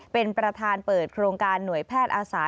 เป็นประธานเปิดโครงการหน่วยแพทย์อาสา